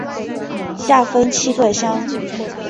下分七个乡。